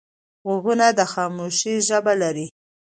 غوږونه د خاموشۍ ژبه لري